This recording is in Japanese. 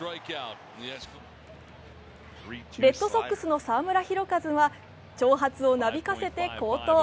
レッドソックスの澤村拓一は長髪をなびかせて好投。